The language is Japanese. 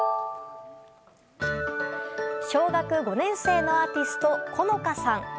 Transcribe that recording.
小学５年生のアーティストＣｏｎｏｃａさん。